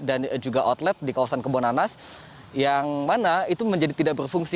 dan juga outlet di kawasan kebonanas yang mana itu menjadi tidak berfungsi